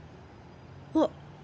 あっ！